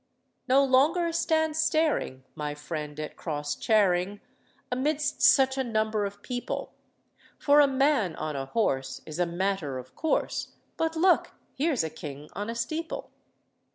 "No longer stand staring, My friend, at Cross Charing, Amidst such a number of people; For a man on a horse Is a matter of course, But look! here's a king on a steeple."